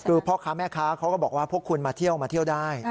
คือพ่อค้าแม่ค้าเขาก็บอกว่าพวกคุณมาเที่ยวมาเที่ยวได้